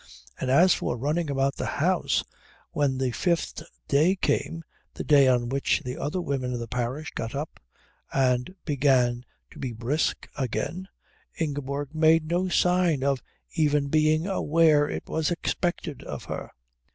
And as for running about the house, when the fifth day came, the day on which the other women in the parish got up and began to be brisk again, Ingeborg made no sign of even being aware it was expected of her.